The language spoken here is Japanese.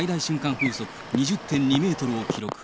風速２０．２メートルを記録。